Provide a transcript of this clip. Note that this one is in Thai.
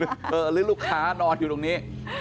เออนึกว่าเป็นลูกค้านอนอยู่ตรงนี้